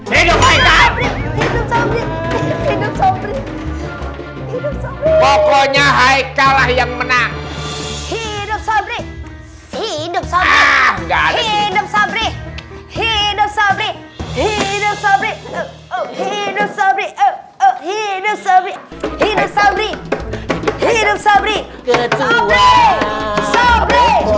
hidup sabri pokoknya haikal yang menang hidup sabri hidup sabri hidup sabri hidup sabri hidup